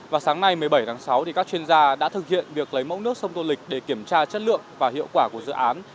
và sáng nay một mươi bảy tháng sáu các chuyên gia đã thực hiện việc lấy mẫu nước sông tô lịch để kiểm tra chất lượng và hiệu quả của dự án